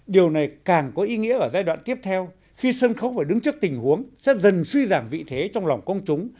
điều này càng có ý nghĩa ở giai đoạn tiếp theo khi sân khấu phải đứng trước tình huống sẽ dần suy giảm vị thế trong lòng công chúng